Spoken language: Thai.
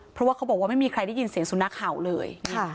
เพราะว่าเขาบอกว่าไม่มีใครได้ยินเสียงสุนัขเห่าเลย